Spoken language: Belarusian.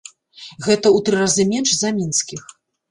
Гэта ў тры разы менш за мінскіх!